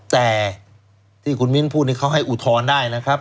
แต่ที่คุณมิ้นพูดนี่เขาให้อุทธรณ์ได้นะครับ